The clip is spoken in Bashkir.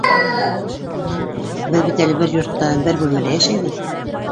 ? Беҙ бит әле бер йортта, бер бүлмәлә йәшәйбеҙ.